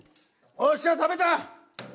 おっしゃ食べた！